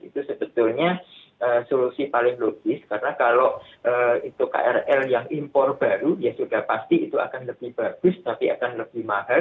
itu sebetulnya solusi paling logis karena kalau itu krl yang impor baru ya sudah pasti itu akan lebih bagus tapi akan lebih mahal